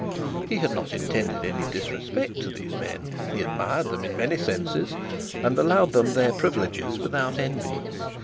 He had not intended any disrespect to these men. He admired them in many senses, and allowed them their privileges without envy.